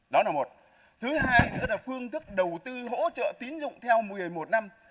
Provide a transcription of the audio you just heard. đó là một thứ hai tức là phương thức đầu tư hỗ trợ tín dụng theo một mươi một năm